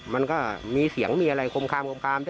มันก็มีเสียงมีอะไรคมคาม